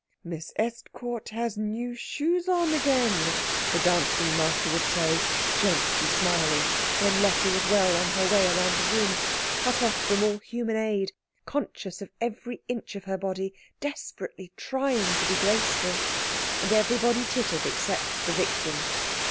"Miss Estcourt has new shoes on again," the dancing master would say, gently smiling, when Letty was well on her way round the room, cut off from all human aid, conscious of every inch of her body, desperately trying to be graceful. And everybody tittered except the victim.